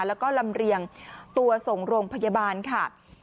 แล้วก็ลำเรียงตัวส่งโรงพยาบาลค่ะ